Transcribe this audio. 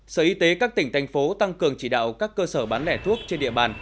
sở y tế các tỉnh thành phố tăng cường chỉ đạo các cơ sở bán lẻ thuốc trên địa bàn